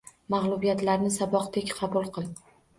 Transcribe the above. Mag‘lubiyatlarni saboqdek qabul qil.